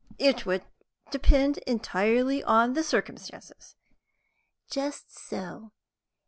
"It would depend entirely on circumstances." "Just so.